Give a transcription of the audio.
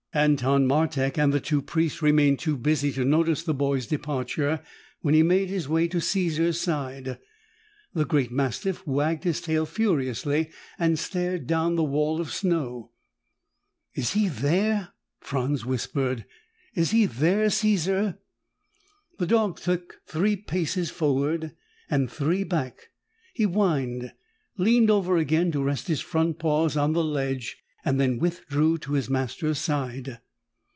Anton Martek and the two priests remained too busy to notice the boy's departure when he made his way to Caesar's side. The great mastiff wagged his tail furiously and stared down the wall of snow. "Is he there?" Franz whispered. "Is he there, Caesar?" The dog took three paces forward and three back. He whined, leaned over again to rest his front paws on the ledge, then withdrew to his master's side.